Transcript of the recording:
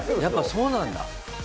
やっぱそうなんだ。